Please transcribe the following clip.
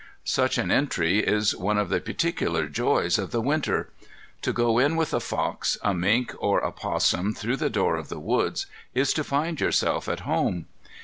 Such an entry is one of the particular joys of the winter. To go in with a fox, a mink, or a 'possum through the door of the woods is to find yourself at home.